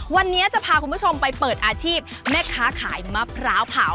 วันนี้จะพาคุณผู้ชมไปเปิดอาชีพแม่ค้าขายมะพร้าวเผา